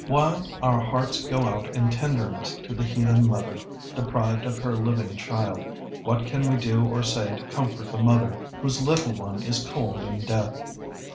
] While our hearts go out in tenderness to the heathen mother deprived of her living child, what can we do or say to comfort the mother whose little one is cold in death?